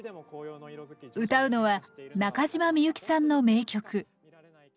歌うのは中島みゆきさんの名曲「旅人のうた」